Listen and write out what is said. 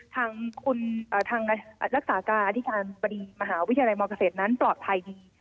ทางรักษาการอธิการบดีมหาวิทยาลัยมเกษตรนั้นปลอดภัยดี